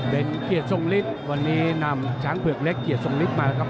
เบนเกียดทรงฤทธิ์วันนี้นำช้างเผลือกเล็กเกียดทรงฤทธิ์มาครับ